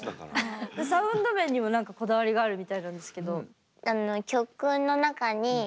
サウンド面にも何かこだわりがあるみたいなんですけど。